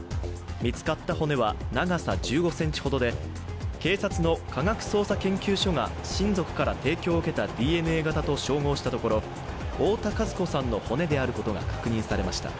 見つかった骨は長さ１５ｃｍほどで警察の科学捜査研究所が親族から提供を受けたＤＮＡ型と照合したところ、太田和子さんの骨であることが確認されました。